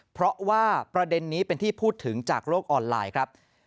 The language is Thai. เพราะว่าประเด็นนี้เป็นที่พูดถึงจากโลกออนไลน์ครับ